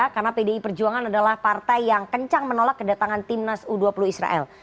karena pdi perjuangan adalah partai yang kencang menolak kedatangan timnas u dua puluh israel